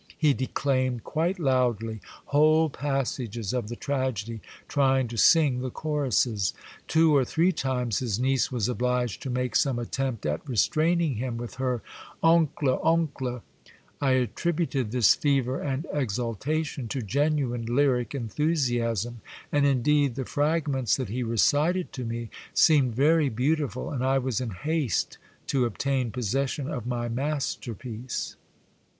He declaimed quite loudly whole passages of the tragedy, trying to sing the choruses. Two or three times his niece was obliged to make some The Blind Emperor, 325 attempt at restraining him, with her OiincU, 0U7icU !" I attributed this fever and exaltation to genuine lyric enthusiasm. And indeed the frag ments that he recited to me seemed very beautiful, and I was in haste to obtain possession of my masterpiece.